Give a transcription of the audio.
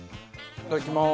いただきます。